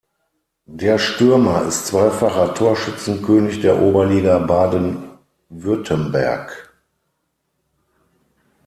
Der Stürmer ist zweifacher Torschützenkönig der Oberliga Baden-Württemberg.